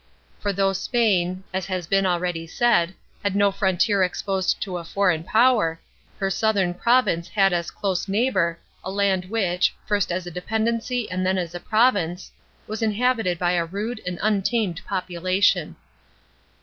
For though Spain, as has been already said, had no frontier exposed to a foreign power, her southern province had as close neighbour a land which, first as a dependency and then as a province, was inhabited by a rude and untamed population.